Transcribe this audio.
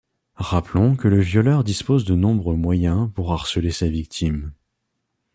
Rappelons que le violeur dispose de nombreux moyens pour harceler sa victime.